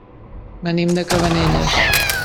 Venim de Cabanelles.